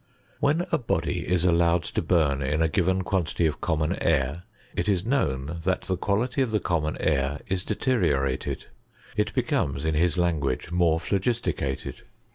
When a body is allowed to bum in a given quan tity of common air, it is known that the quality of the common air is deteriorated ; it become^, in his language, more phlogisticated.